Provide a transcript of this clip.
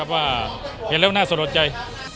ว่าเห็นแล้วน่าสะลดใจ